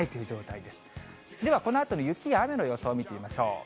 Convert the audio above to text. ではこのあとの雪や雨の予想を見てみましょう。